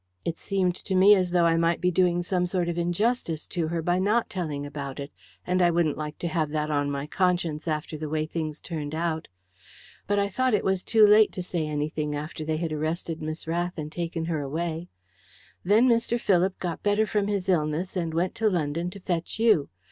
It seemed to me as though I might be doing some sort of injustice to her by not telling about it, and I wouldn't like to have that on my conscience after the way things turned out. But I thought it was too late to say anything after they had arrested Miss Rath and taken her away. Then Mr. Philip got better from his illness and went to London to fetch you.